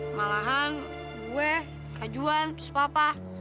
malahan gue kak juan terus papa